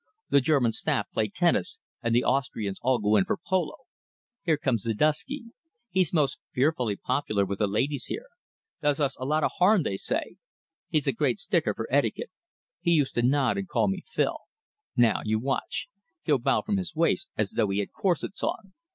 The German Staff play tennis and the Austrians all go in for polo. Here comes Ziduski. He's most fearfully popular with the ladies here does us a lot of harm, they say. He's a great sticker for etiquette. He used to nod and call me Phil. Now you watch. He'll bow from his waist, as though he had corsets on.